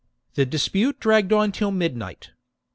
The dispute dragged on till midnight.